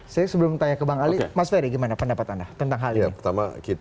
saya sebelum tanya ke bang ali mas ferry gimana pendapat anda tentang hal ini